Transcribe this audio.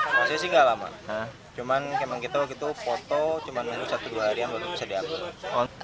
prosesnya nggak lama cuma kita foto cuma satu dua hari yang bisa diambil